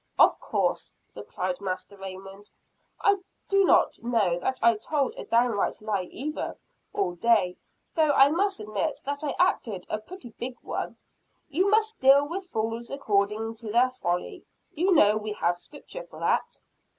"Oh, of course," replied Master Raymond. "I do not know that I told a downright lie either, all day; although I must admit that I acted a pretty big one. But you must deal with fools according to their folly you know we have Scripture for that."